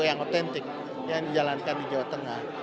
yang otentik yang dijalankan di jawa tengah